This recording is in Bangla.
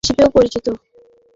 এটা শয়তানের মা হিসেবেও পরিচিত!